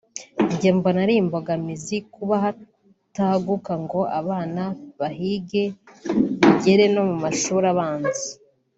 Njye mbona ari imbogamizi kuba hataguka ngo abana bahige bigere no mu mashuri abanza